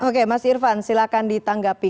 oke mas irvan silahkan ditanggapi